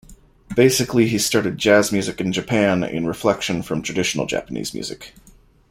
Basically, he started jazz music in Japan in reflection from traditional Japanese music.